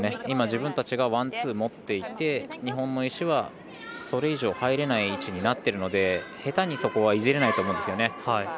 今、自分たちがワン、ツー持っていて日本の石は、それ以上は入れない位置になってるので下手に、そこはいじれないと思うんですよね。